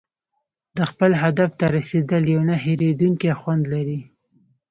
د خپل هدف ته رسېدل یو نه هېریدونکی خوند لري.